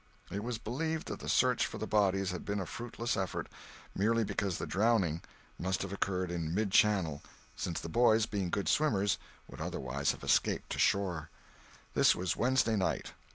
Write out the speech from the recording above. It was believed that the search for the bodies had been a fruitless effort merely because the drowning must have occurred in mid channel, since the boys, being good swimmers, would otherwise have escaped to shore. This was Wednesday night.